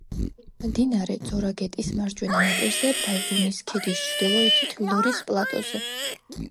მდინარე ძორაგეტის მარჯვენა ნაპირზე ბაზუმის ქედის ჩრდილოეთით ლორის პლატოზე.